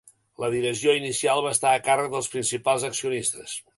La direcció inicial va estar a càrrec dels principals accionistes.